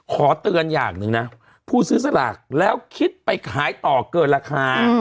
ขอเตือนอย่างหนึ่งนะผู้ซื้อสลากแล้วคิดไปขายต่อเกินราคา